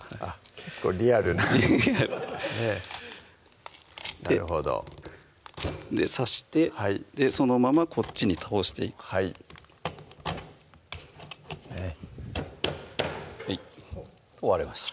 結構リアルななるほど刺してそのままこっちに倒していく割れました